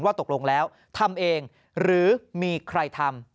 ตกลงแล้วทำเองหรือมีใครทำ